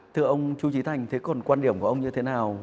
thưa ông chú trí thành thế còn quan điểm của ông như thế nào